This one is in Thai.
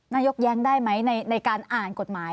แย้งได้ไหมในการอ่านกฎหมาย